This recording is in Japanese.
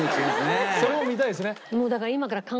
それも見たいですね。